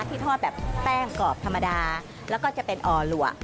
ที่ทอดแบบแป้งกรอบธรรมดาแล้วก็จะเป็นอ่อหลัว